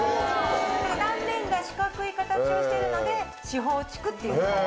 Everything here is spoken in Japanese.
断面が四角い形をしてるので四方竹っていう。